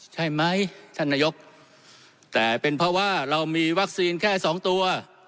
ใช่ไหมท่านนายกแต่เป็นเพราะว่าเรามีวัคซีนแค่สองตัว